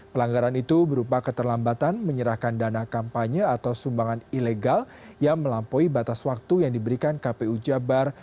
pelanggaran itu berupa keterlambatan menyerahkan dana kampanye atau sumbangan ilegal yang melampaui batas waktu yang diberikan kpu jabar